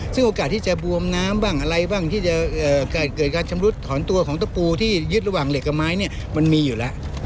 ซึ่งโอกาสที่จะบวมน้ำบ้างอะไรบ้างที่จะเกิดการชำรุดถอนตัวของตะปูที่ยึดระหว่างเหล็กกับไม้เนี่ยมันมีอยู่แล้ว